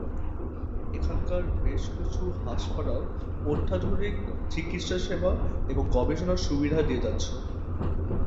এখানকার বেশকিছু হাসপাতাল অত্যাধুনিক চিকিৎসাসেবা এবং গবেষণার সুবিধা দিয়ে যাচ্ছে।